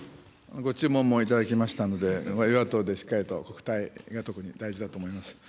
ご注文も頂きましたので、与野党でしっかりと、国対が特に大事だと思います。